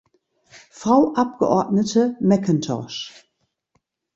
Frau Abgeordnete McIntosh!